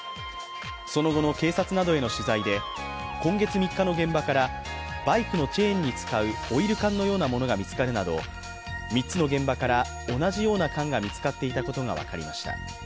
その後の警察などへの取材で今月３日の現場からバイクのチェーンに使うオイル缶のようなものが見つかるなど３つの現場から同じような缶が見つかっていたことが分かりました。